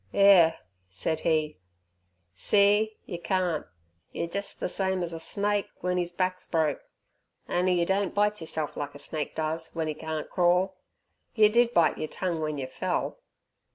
"Erh," said he, "see! yer carnt, yer jes' ther same as a snake w'en ees back's broke, on'y yer don't bite yerself like a snake does w'en 'e carnt crawl. Yer did bite yer tongue w'en yer fell."